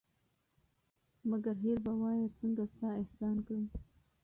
مگر هېر به وایه څنگه ستا احسان کړم